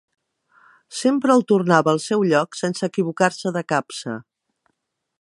Sempre el tornava al seu lloc sense equivocar-se de capça.